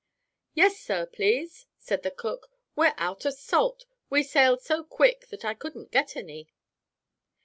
"'Yes, sir, please,' said the cook, 'we're out of salt; we sailed so quick that I couldn't get any.'